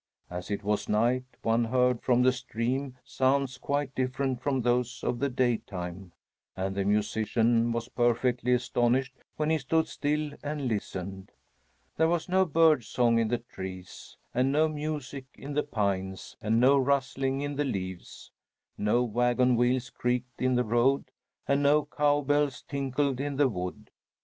As it was night, one heard from the stream sounds quite different from those of the daytime, and the musician was perfectly astonished when he stood still and listened. There was no bird song in the trees and no music in the pines and no rustling in the leaves. No wagon wheels creaked in the road and no cow bells tinkled in the wood.